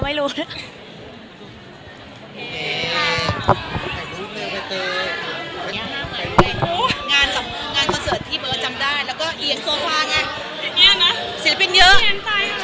นี่เป็นเลิกทางสุดท้ายไหมคะ